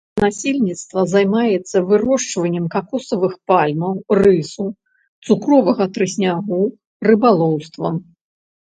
Насельніцтва займаецца вырошчваннем какосавых пальмаў, рысу, цукровага трыснягу, рыбалоўствам.